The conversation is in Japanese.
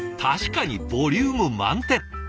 確かにボリューム満点。